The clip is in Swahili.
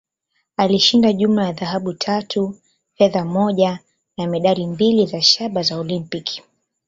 Alishinda jumla ya dhahabu tatu, fedha moja, na medali mbili za shaba za Olimpiki.